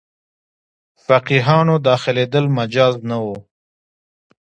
فقیهانو داخلېدل مجاز نه وو.